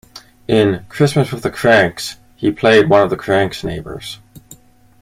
In "Christmas with the Kranks", he played one of the Kranks' neighbors.